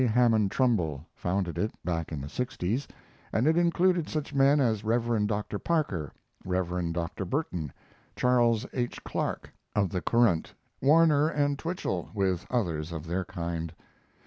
Hammond Trumbull founded it back in the sixties, and it included such men as Rev. Dr. Parker, Rev. Dr. Burton, Charles H. Clark, of the Courant, Warner, and Twichell, with others of their kind.